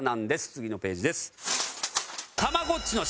次のページです。